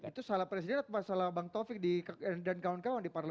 itu salah presiden atau salah bang taufik dan kawan kawan di parlemen